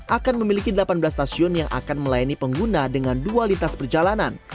akan memiliki delapan belas stasiun yang akan melayani pengguna dengan dua lintas perjalanan